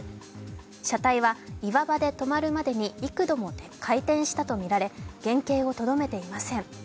車体は岩場で止まるまでに幾度も回転したとみられ原形をとどめていません。